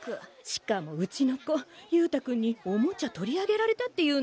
しかもうちの子勇太君にオモチャ取り上げられたって言うの。